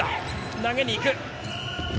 投げにいく！